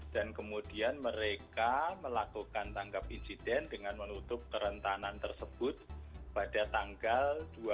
dan kemudian mereka melakukan tangkap insiden dengan menutup kerentanan tersebut pada tanggal dua puluh lima